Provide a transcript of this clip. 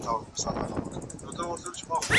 په سويډن او انګلستان کي هم اقتصاد پرمختګ کړی دی.